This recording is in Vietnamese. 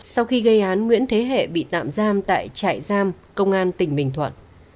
sau khi gây án nguyễn thế hệ bị tạm giam tại trại giam công an tỉnh bình thuận